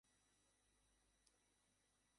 এটা থেকে আমরা কতটুকু পাচ্ছি?